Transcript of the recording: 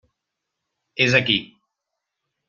És aquí.